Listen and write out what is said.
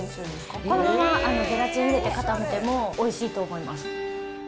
このままゼラチン入れて固めてもおいしいと思います。